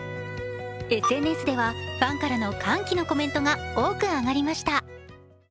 ＳＮＳではファンからの歓喜のコメントが多く上がりました。